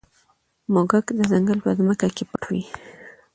موږک د ځنګل په ځمکه کې پټ وي.